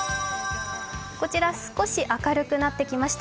こちら少し明るくなってきました。